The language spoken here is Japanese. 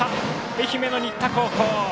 愛媛の新田高校。